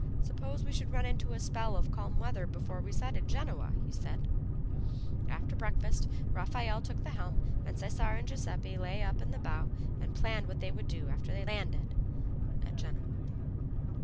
"Suppose we should run into a spell of calm weather before we sighted Genoa," said he. After breakfast Raffaelle took the helm and Cesare and Giuseppe lay up in the bow and planned what they would do after they landed at Genoa.